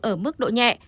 ở mức độ nhẹ